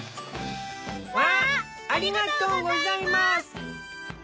わぁありがとうございます！